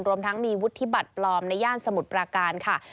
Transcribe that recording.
รวมทั้งมีวุฒิบัตรปลอมในย่านสมุทรปราการค่ะ